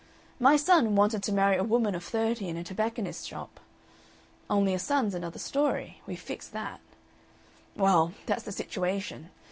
My son wanted to marry a woman of thirty in a tobacconist's shop. Only a son's another story. We fixed that. Well, that's the situation.